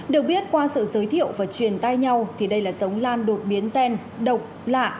được biết qua sự giới thiệu và truyền tay nhau thì đây là giống lan đột biến gen độc lạ